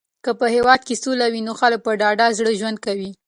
که په هېواد کې سوله وي نو خلک په ډاډه زړه ژوند کوي.